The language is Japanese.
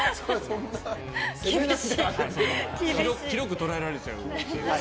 広く捉えられちゃうから。